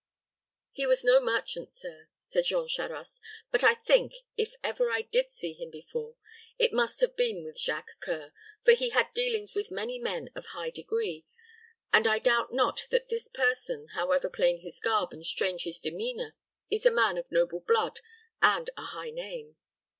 "He was no merchant, sir," said Jean Charost; "but I think, if ever I did see him before, it must have been with Jacques C[oe]ur, for he had dealings with many men of high degree; and I doubt not that this person, however plain his garb and strange his demeanor, is a man of noble blood and a high name."